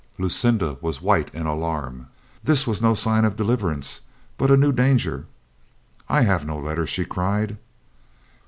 Lucinda was white in alarm. This was no sign of deliverance, but a new danger. "I have had no letter!" she cried.